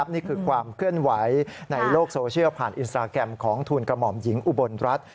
นี่คือความเคลื่อนไหวในโลกโซเชียลผ่านอินสตราแกรมของทูลกระหม่อมหญิงอุบลรัฐ